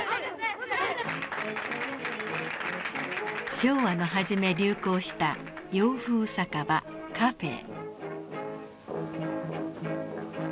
昭和の初め流行した洋風酒場カフェー。